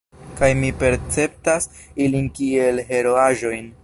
Kaj mi perceptas ilin kiel heroaĵojn.